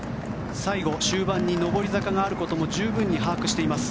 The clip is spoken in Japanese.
最後、終盤に上り坂があることも十分に把握しています。